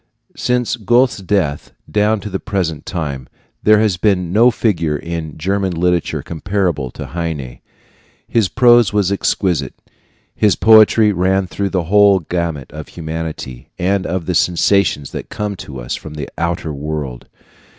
Since Goethe's death, down to the present time, there has been no figure in German literature comparable to Heine. His prose was exquisite. His poetry ran through the whole gamut of humanity and of the sensations that come to us from the outer world.